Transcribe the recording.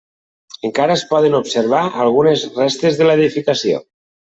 Encara es poden observar algunes restes de l'edificació.